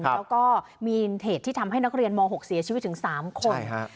แล้วก็มีเหตุที่ทำให้นักเรียนม๖เสียชีวิตถึง๓คน